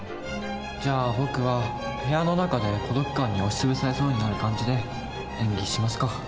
じゃあ僕は部屋の中で孤独感に押し潰されそうになる感じで演技しますか。